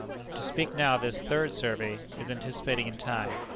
To speak now of this third survey, is anticipating in time.